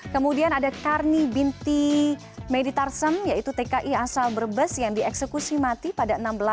kemudian ada carny binti meditarsem yaitu tki asal berbes yang dieksekusi mati pada enam belas april dua ribu lima belas dengan